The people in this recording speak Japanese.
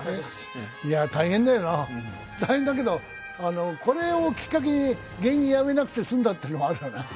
大変だよな、大変だけど、これをきっかけに芸人やめなくて済んだってのもあるよな。